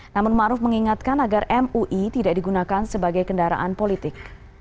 namun ⁇ maruf ⁇ mengingatkan agar mui tidak digunakan sebagai kendaraan politik